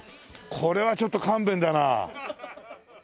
これはちょっと勘弁だな。